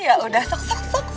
ya udah sok sok silahkan